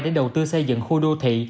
để đầu tư xây dựng khu đô thị